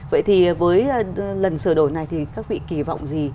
vậy thì với lần sửa đổi này thì các vị kỳ vọng gì